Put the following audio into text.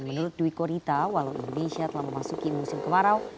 menurut dwi korita walau indonesia telah memasuki musim kemarau